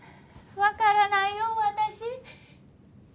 わからないよ私。